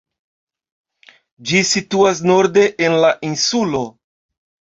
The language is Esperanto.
Ĝi situas norde en la insulo.